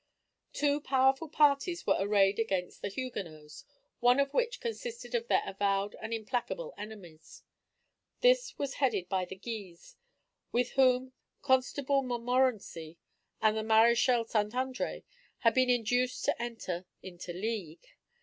Two powerful parties were arrayed against the Huguenots, one of which consisted of their avowed and implacable enemies. This was headed by the Guises, with whom the Constable Montmorenci, and the Maréchal St. André had been induced to enter into league.